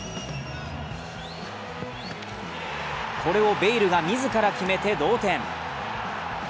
これをベイルが自ら決めて同点。